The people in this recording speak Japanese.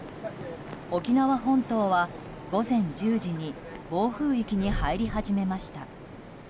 沖縄本島は午前１０時に暴風域に入り始めました。